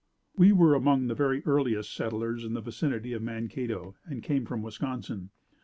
We were among the very earliest settlers in the vicinity of Mankato and came from Wisconsin.